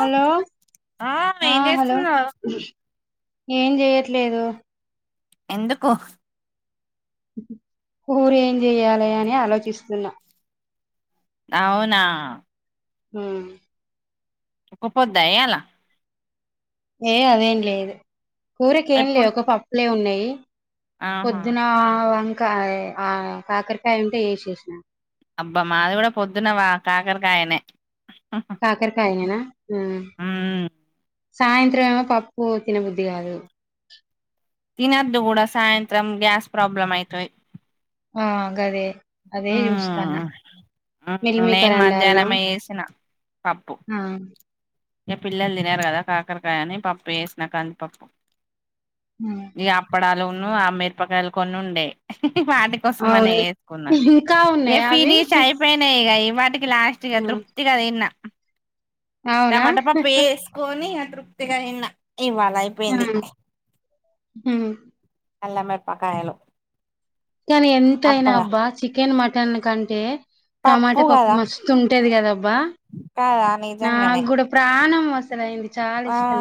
Hello ఆ ఏం hello చేస్తున్నావ్ ఏం జేయట్లేదు ఎందుకో ఊరేం జేయ్యాలి అని ఆలోచిస్తున్నా అవునా ఉహ్ ఒక పోద్దాయలా ఏ అదేం లేదు కూరక్ ఏం లే ఎప్పుడు ఒక పప్పులే ఉన్నాయి. ఆహా పొద్దున వంకా ఆ కాకరకాయ ఉంటే ఏచ్చేచనా అబ్బా మాది కూడా పొద్దున్నవా కాకరకాయనే కాకరకాయనేన్నా ఉహ్ మ్మ్ సాయంత్రం ఏమో పప్పు తినబుద్ధి గాదు. తినద్దు గూడా సాయంత్రం గ్యాస్ ప్రాబ్లం అయితది. ఆ గదే అదే యూస్తానా. మ్మ్ మ్మ్ నేను మిల్మేకర్ వండాల్నా మధ్యాహ్నమే చేసిన ఆ ఇగా పిల్లలు దీన్నారు గదా కాకరకాయ అని పప్పు ఏసిన కందిపప్పు. ఉమ్ ఇగా అప్పడలోను ఆ మిరపకాయలు కొన్ని ఉండే. హి వాటి కోసం మనే అవును ఎక్కునా ఇంకా ఇగా ఉన్నాయా అవి ఫినిష్ అయిపోయినాయి వాటిక్ లాస్ట్గా ఆ, తృప్తిగా దీన్నా అవునా టమాటా పప్పు ఏసుకొని ఇగా తృప్తిగా ఇనా ఇవ్వలా అయిపోయింది. ఉహుహ్ అల మిరపాకాయలు కానీ ఎంత అయినా అబ్బా చికెన్ మటన్ కంటే టమాటా పప్పు మస్తు ఉంటది గదా అబ్ వా కదా నా నిజంగానే గూడా ప్రాణం అసలయింది చాలా ఆ ఇష్టం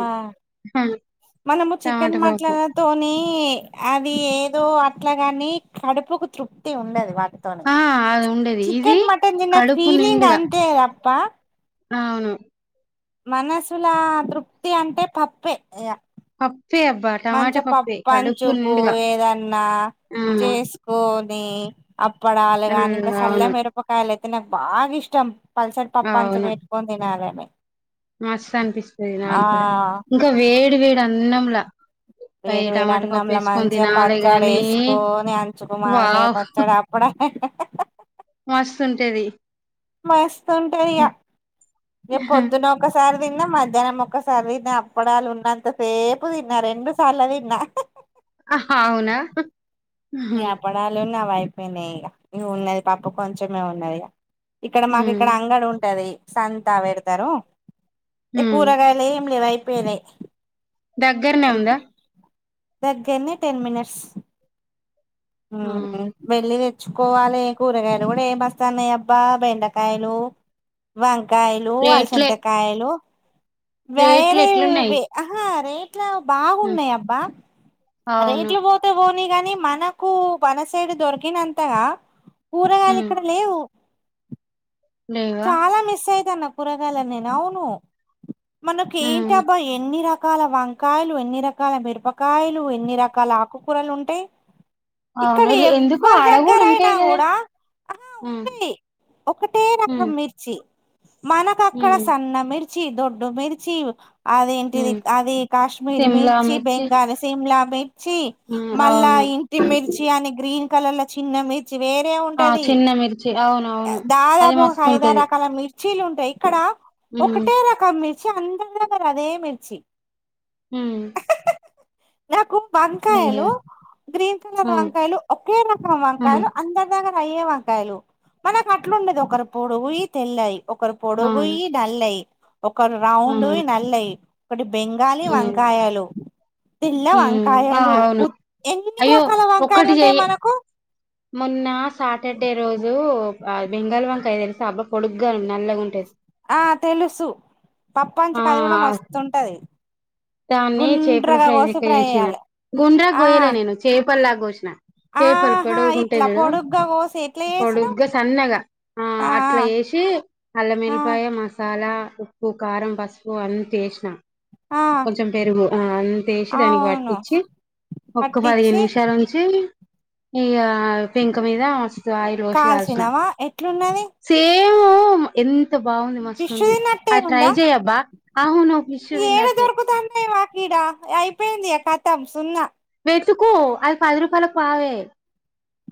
మనము చికెన్ టమాటా పప్పు మాట్లాతోని అవి ఏర్ దో అట్లాగాని కడుపుకు తృప్తి ఉండదు వాట్ ఆ అది ఉండేది ఇది చికెన్, మటన్ తిన్న కడుపు ఫీలింగ్ నిండుగా అంతే అప్పా అవును మనసుల తృప్తి అంటే పప్పే కప్ మంచిగా పప్పంచు నిండుగా పోయేదన్నా ఆ ఉమ్, చేసుకొని అప్పడాలు గానీ ఇంకా చల్ల అవును మిరపకాయలు అయితే నాకు బాగా ఇష్ ష్టం ప్లాసాటి పప్పంచుక్ వెట్టుకొని తినలామే మస్తం అనిపిస్తది నాకు గూడ ఇంకా వేడి వేడి అన్నంలా పై వేడి వేడి టమాటా పప్పు అన్నంల ఏసుకొని మంచిగా తినాలే పచ్చడి గానీ వేసుకొని అంచుకు మామిడికాయ వావ్ పచ్చడి అప్పడాలు మస్తుంటది మస్తుంటది ఇగ, ఇగ పొద్దునొక్కసా రి దిన్నా, మధ్యాహ్నం ఒక్కసారి దిన్నా, అప్పడాలు ఉన్నంత సేపు దిన్నా రెండు సార్లు దిన్నా అవునా ఈ అప్పడాలు నావైపోయినాయి ఇగ, ఇగ ఉన్నది పప్పు కొంచమే ఉన్నది ఇగా ఇక్కడ మాక్ ఉమ్ ఇక్కడ అంగడి ఉంటది సంతా వెడతారు ఏ ఉమ్ కూరగాయలేం లేవు అయిపోయినాయి దగ్గరనే ఉందా దగ్గర్నే టెన్ మినిట్స్ ఆ వెళ్లి తెచ్ తెచ్చుకోవాలే కూరగాయలు గూడ ఏం బాస్తాన్నాయి అబ్బా బెండకాయలు వంక్ కాయలు రేట్లే అల్సంతకాయలు రేట్లు ఎట్లున్నాయి వ్యాయారేవి ఆహా రేట్ల ఉమ్ బాగున్నాయి అబ్బా అవును రేట్లు వోతే వోనీ గానీ మనకు మనసైడ్ దొరికినంతగా కూరగాయలు ఉమ్ ఇక్కడ లేవు లేవా చాలా మిస్ అయితన్న కూరగాయలను నేను అవును ఉమ్ మనకేంటబ్బా ఎన్ని రక్ కాల వంకాయలు ఎన్ని రకాల మిరపకాయలు ఎన్ని రకాల ఆకుకూరకాలుంటాయి ఇక్కడ అవును లే ఎందుకు ఎవరి ఆడ కూడా దగ్గరైనా ఉంటాయి కదా గూడ ఉమ్ ఉంటాయి ఒకటే రాక్ ఉమ్ రకం మిర్చి మనకక్కడ ఉమ్ సన్న మిర్చి దొడ్డు మిర్చి అదేంటిది ఉమ్ అది కాశ్మీర్ మిర్చి బెంగాల్ సిమ్లా మిర్చి ఉమ్ మల్ల అవును ఇంటి మిర్చి అని గ్రీన్ కలర్ల చిన్న మిర్చ చ్చి వేరే ఆ ఉంటది చిన్న మిర్చి అవును ఆ అవును అది దాదాపు మస్తు ఉంటది ఐదారకాల మిర్చీలుంటాయి ఇక్కడ ఉమ్ ఒకటే రకం మిర్ మిర్చి అందర్ దెగ్గర అదే మిర్చి ఉమ్ నాకు అయ్యో వంకాయలు గ్రీన్ కలర్ ఉమ్ వంకాయలు ఒకే రకం ఉమ్ వంకాయలు అందరి దెగ్గర అయ్యే వంకాయలు మనకట్లుండదు ఒకరు పొడుగుయి తెల్లయి ఒకరు ఆ పొడుగుయి నల్లయి ఒకరు ఆ ఉమ్ రౌండువి నల్లయి ఒకటి బెంగాలీ వంకాయాలు పిల్ల ఉమ్ ఆ వంకాయలు అవును గుత్ ఎన్ని అయ్యో రకాల వంకాయలు ఒక్కటి ఉంటాయి చెయ్యి మనకు మొన్న సాటర్డే రోజు ఆ బెంగాల్ వంకాయ తెలిసా అబ్బా పొడుగ్గా నల్లగుంటాది ఆ తెలుసు ఆ పప్పంచుక్ కాది గూడ మస్ మస్త ఉంటాది. దాన్ని చేపలు ఫ్రై లెక్క జేసిన చేయాలి గుండ్ర ఆ గోయ్యలే నేను చేపలాగోసినా చేపలు ఆహా పొడుగుంటే ఇట్లా జూడు పొడుగ్గా కోసి ఎట్లా చేసినవ్ పొడుగ్గా సన్నగా ఆ అట్లా ఏ శి అల్ల ఆ ఏల్లిపాయ మసాలా ఉప్పు కారం పసుపు అంత ఏసిన ఆ కొంచం పెరుగు ఆ అంతేసి దానికి అవును వట్టించి ఒక్క పదిహేను పట్టించి నిమిషాలుంచీ ఈగ పెంక మీద మస్త్ ఆయిల్ వోసి గాల్చిన ఏట్లున్నాది ఏమో ఎంత్ తిన్నట్టే అది ట్రై ఉందా చెయబ్బా అవును ఫిష్ష్ తిన్నట్టే ఇడా అయిపోయిందిగా కథం సున్నా ఎత్తుకో అది పది రూపాయలో పావే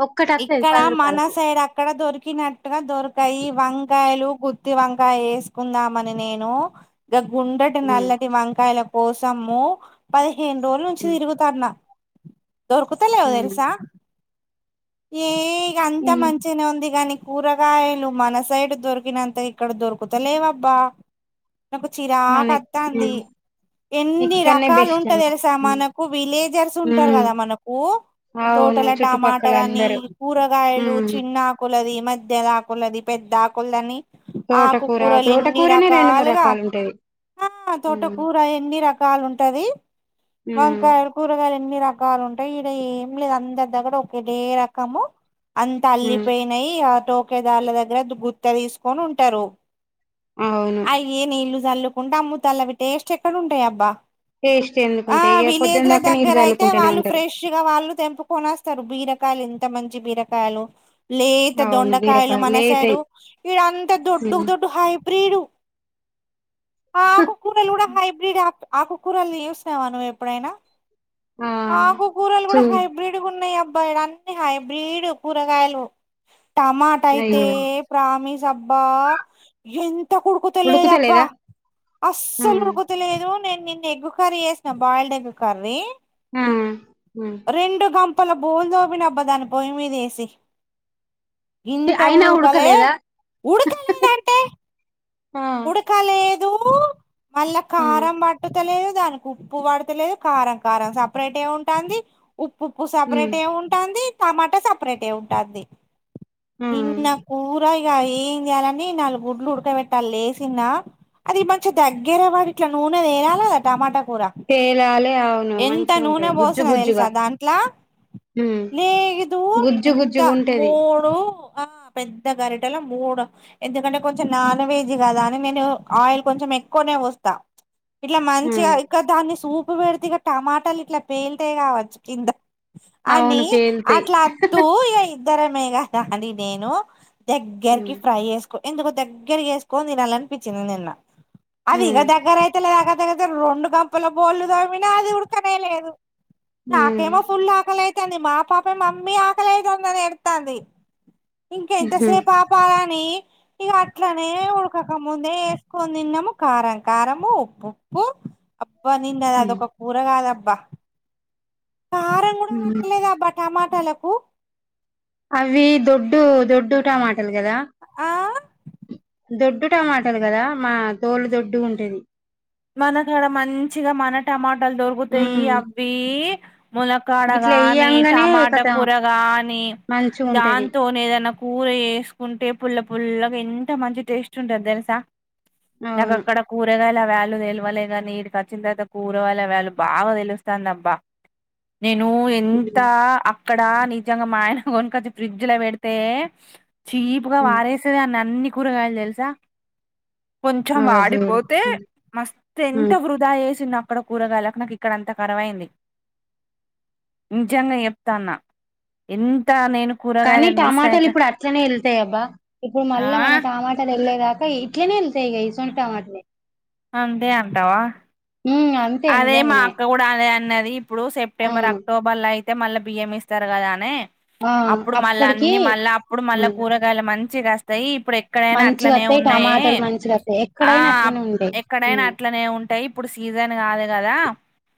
ఒక్కటత్తది ఇక్కడ పది మన రూపాయలకు సైడ్ అక్కడ దొరికినట్టుగా దొరికయి వంకాయలు గుత్ త్తి వంకాయ జేసుకుందామని నేను గ గుండ్రటి హ్మ్ నల్లటి వంకాయలు కోసమ్ము పదిహేను రోజుల నుంచి హ్మ్ తిరుగుతాన్న దొర్కుతలేవ్ హ్మ్ దెల్సా ఏ ఇగ అంత హ్మ్ మంచిగనే ఉంది గని కూరగాయలు మన సైడ్ దొరికినంతగ ఇక్కడ దొరుకుతలేవబ్బా నాకు మనకి చిరాకత్తంది హ్మ్ ఎన్ని ఇక్కడనే రకాలు బెస్ట్ ఉంటరు అంట తెల్సా హ్మ్ మనకు విలేజర్స్ ఉంటారు హ్మ్ గదా మనకూ అవును చుట్టుపక్క త గాన్ని ఇ కూరగాయలు చిన్న ఆకులది మధ్యల ఆకులది పెద్ద ఆకుల్దాని తోటకూర ఆకుకూరలిన్ని తోటకూరనే రెండు మూడు రకాలుగా రకాలు ఉంటది ఆ తోట హ్మ్ కూర ఎన్ని రకాలుంటది హ్మ్ వంకాయలు కూరగాయలు ఎన్ని రకా కాలు ఉంటయి ఇక్కడ ఏం లేదు అందరి దగ్గర ఒకేటే రకము అంత హ్మ్ అల్లిపోయినయి ఆ టోకేదార్ల దగ్గర గుత్త దీసుకొని ఉంటరు అవును అయ్యే నీళ్లు జల్లుకుంట అమ్ముతాల్లవి టేస్ట్ ఎక్కడ ఉంటాయబ్బా టేస్ట్ ఆ ఎందుకుంటాయి ఇగ పొద్దున విలేజ్ల దాకా నీళ్ళు దగ్గరయితే చల్లుకుంటూనే వాళ్ళు ఉంటారు ఫ్రెష్ గా వాళ్ళు తెంపుకొనస్తారు బీర కాయలు ఎంత మంచి బీరకాయలు లేత అవును దొండకాయలు బీరకాయ మన సైడు లేతయి ఇడంతా దొడ్డుకు హ్మ్ దొడ్డు హైబ్ బ్రీడు ఆకు కూరలు గూడ హైబ్రిడె అత్ ఆకు కూరల్ని చూసినవా నువ్వు ఎప్పుడైనా ఆ ఆకు కూరలు చూ కూడ హైబ్రిడ్గున్నయి అబ్ బ్బ ఈడన్నీ హైబ్రిడ్ కూరగాయలు టమాటయితే అయ్యో ప్రామిస్ అబ్బా ఎంతకుడుకుతలేదబ్బా ఉడుకుతలేదా ఆ అస్సలు ఉడుకుతలేదు గ్ నేను నిన్న ఎగ్గు కర్ర చేసిన బాయిల్డ్ ఎగ్గు కర్రీ ఆ హ తల బోళ్ళు తోమినబ్బా దాన్ని పోయి మీదేసి గింత గూడ అయినా ఉడకలే ఉడకలేదా ఉడుకలేదంటే ఆ ఉడకలేదు మళ్ళ ఆ కారం బట్టుతలేదు దానికి ఉప్పు పడతలేదు కారం కారం సపరేట్ ఏ ఉంటంది ఉప్పు ఉప్పు ఉమ్ సపరేటె ఉంటాంది టమాటా సపరేటె ఉంటాంది ఆ నిన్న కూర ఇగ ఏం జేయాలని నాలుగు గుడ్లు ఉడకబెట్ లేసిన్నా అది మంచిగా దగ్గర పడి ఇట్ల నూనె తేలాలే గదా టమాటా కూరా తేలాలే అవును ఎంత మంచిగా నూనె ఉంటది గుజ్జు పోసిన తెలుసా గుజ్జుగా దాంట్ల ఉమ్ లేదు గుజ్జు ఎంత గుజ్జుగా ఉంటది మూడు ఆ పెద్ద గరిటెల మూడు ఎందుకంటే కొంచెం నాన్ వెజ్ జ్ గదా అని నేను ఆయిల్ కొంచెం ఎక్కువనే పోస్త ఇట్ల మంచిగ ఉమ్ ఇక్క దాని సూప్ ఉప్పు పెడితే ఇక టమాటాలు ఇట్ల పేల్తయ్ గావచ్చు కింద అని అవును పేలుతాయి అట్లా అద్దూ ఇగ ఇది ద్దరమే గదాని నేను ఉమ్ దగ్గరకి ఫ్రై జేసుకో ఎందుకో దగ్గరికి జెస్ కోని తినాలనిపించింది నిన్న అది ఇగ ఉమ్ దగ్గరయితలేదు అగ దగ్ నేనైతే రెండు గంపల బోళ్లు తోమినా అది ఉడకనేలేదు ఉమ్ నాకేమో ఫుల్లు ఆకలయితాంది మా పాప మమ్మీ ఆకలేదుందని ఎడుతాంది ఇంక ఉహుమ్ ఎంతసేపు ఆపాల నీ ఇగ అట్లనే ఉడకకముందే యేసుకొని తిన్నాము కారం కారంము ఉప్పు ఉప్పు అబ్బా నిన్న ఉమ్ అదొక కూర గాదబ్బా కారం గూడా ఉమ్. పట్టలేదబ్బా టమాటాలకు అవి దొడ్డు దొడ్డుటమాటలు గదా ఆ దొడ్డు టమాటాలు గదా మా తోలు దొడ్డు గుంటది మన కాడ మంచిగా మన టమాటాలు దొరుకుతాయి ఉమ్ అవి మునక్కాడ గిట్లా గానీ ఎయ్యంగానే టమాటా కతం కూర గానీ మంచిగా ఉంటది దాంతోనే ఏదన్నా కూర జేసుకుంటే పుల్ల పుల్లగా ఎం త మంచి టేస్ట్ ఉంటది దెలుసా నాకు అవును అక్కడ కూరగాయ లు దెలువలే గానీ ఈడికి వచ్చిన తర్వాత కూరగాయల వాల్యు బాగా దెలుస్తందబ్బా నేను ఎంత హ్మ్ అ క్కడ నిజంగా మా ఆయన గొనుకొచ్చి ఫ్రిడ్జ్ ల బెడితే చీపుగా హ్మ్ బారేసేదాన్ని అన్ని కూరగాయలు దెలుసా కొంచెం అవజూడు వాడిపోతే హ్మ్ మస్త్ ఎంత హ్మ్. వృధాయే చేసిన అక్కడ కూరగాయలు నాకు ఇక్కడంత కరవైంది నిజంగా చెప్తాన్నా ఎంత నేను కానీ కూరగాయలను మిస్ టమాటాలు అయితా ఇప్పుడు అట్లనే యెళ్తాయి అబ్బా ఇప్పుడు ఆ మళ్ళా మన టమాటాలు యెళ్లేదా క ఇట్లేనే యెళ్తయ్ ఇగ ఇసువంటి టమాటలే అంతే అంటవా హ్మ్ అంతే అదే మా నిజంగానే అక్క గూడా అదే అన్నది ఇప్పుడు ఆ సెప్టెంబర్ అక్టోబర్ లో అయి తే మళ్ళ బియ్యం ఇస్తరు గదా అనే ఆ అప్పుడు మళ్ళా అప్పటికి అన్ని మళ్ళా అప్పుడు మళ్ళ కూరగాయల మం చ్చి గాస్తాయి ఇప్పుడు ఎక్కడైనా మంచిగా అట్లనే వత్తాయి ఉన్నయే టమాటాలు మంచిగా వత్తాయి ఆ ఎక్కడైనా అట్లనే ఉంటాయి ఎక్కడైనా హ్మ్ అట్లనే ఉం టయ్ ఇప్పుడు సీజన్ గాలే గదా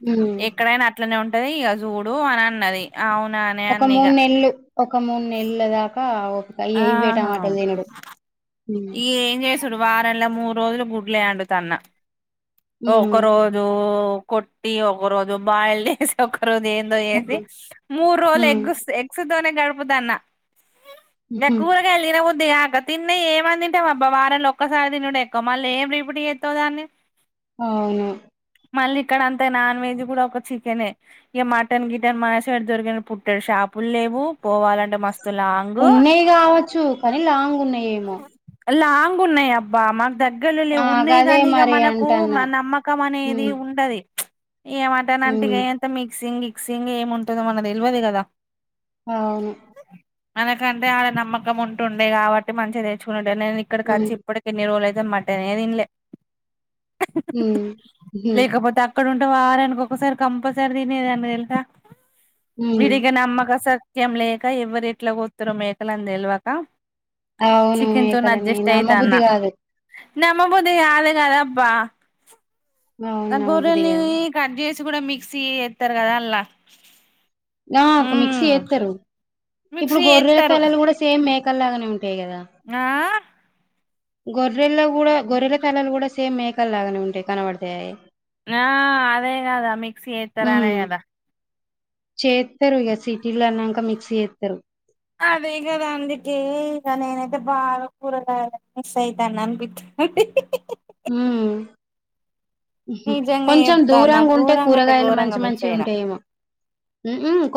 హ్మ్ ఎక్కడైనా అట్లనే ఉంట టది ఇగ జూడు అని అన్నది అవునానే ఒక అన్న ఇగ మూడు నెల్లు ఒక మూడు నెల్ల దాకా ఓపిక ఇయ్యే ఆహా ఇవ్వేటమాట దినుడు ఇగ ఏం జేసుడు వారంలా మూడు రోజులు గుడ్లే అండుతన్న ఒక హ్మ్ రోజు కొట్టి ఒక రోజు బాయిల్ జేసి ఒక రోజు ఏందో చేసి హ్మ్. మూడు రోజులు హ్మ్. ఎగ్స్ ఎగ్స్తోనే గడుపుతున్న హుహు. నాకు కూరగాయలు తినబుద్ది గాక తిన్న ఏం అం తింట వబ్బా వారంల ఒక్కసారి తినుడే ఎక్కువ మళ్ళీ ఏం రీపీట్ జేత్తవ్ దాన్ని అవును మళ్ళీ ఇక్కడ అంత నాన్ వెజ్ గూడా ఒక చికెనే ఇగ మటన్ గిటన్ మన సైడ్ దొరకదు పుట్టేడు షాప్ ప్పులు లేవు పోవాలంటే మస్త్ ఉన్నాయి గావచ్చు కానీ లాంగ్ ఉన్నాయేమో లాంగ్ ఉన్నాయి అబ్బా మాకు ద ఆ గ్గరలేవు ఉన్నాయి గదే గాని ఇగ మరి మనకు అంటన్న నమ్మకం అనేది ఉమ్ ఉండది ఇగ మటన్ అంటే ఇగ ఉమ్ అంత మిక్సింగ్ గిక్సింగ్ ఏమి ఉంటదో మనకి దెల్వదు గదా అవును మనకంటే ఆడ నమ్మకం ఉంటుండే గాబట్టి మంచిగా దెచ్చుకునింటే నేన్ ఇక్కడికి ఉమ్ వచ్చి ఇప్పటికి ఎన్ని రోజులై నేన్ మటనే దిన్లే ఉమ్ హూ అక్కడ ఉంటే వారానికొసారి కంపల్సరీ తినేదాన్ని దెల్సా ఉమ్ వీడిగా నమ్మకసార్ ముక్యం లేక ఎవ్వరు ఏట్లా పోతారో మేకలంద తెల్వక అవును చికెన్ తోనే మేకలని అడ్జస్ట్ అయితాన్న నమ్మబుద్ధి కాదు నమ్మబుద్ది కాదు గదబ్బా అవును నా నమ్మబుద్ధి గోరల్ని కాదు కట్ చే తెల్సి కూడా మిక్సీ ఎతారు కదా అల్లా ఆ ఒక మిక్సీ మ్మ్ ఎతరు ఇప్పుడు మిక్సీ గొర్రె చేత్తరు తలలు కూడా సేమ్ మేకల్ లాగానే ఉన్ ఆ గొర్రెలో కూడా గొర్రెల తలాలు కూడా సేమ్ మేకలు లాగానే ఉంటాయి కనబడతాయి ఆ అదే కాదా మిక్స్ ఏతరనే కదా చేస్తారు ఇక సిటీలో అన్నాక మిక్స్ ఎత్తరు అదే గదా అందుకే ఈగ నేనైతే బాగా కూరగాయల్ మిస్ అయితాను అంన్బీచ్ హ్మ్ నిజంగా కొంచెం చెప్తాన్న దూరంగా ఉంటే ఘోరంగా అంటే కూరగాయలు మంచి ఘోరంగా మిస్ మంచి అయిన ఉంటాయేమో హ్మ్ ఉ